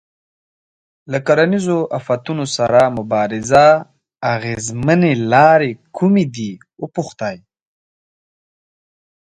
له کرنیزو آفتونو سره د مبارزې اغېزمنې لارې کومې دي وپوښتئ.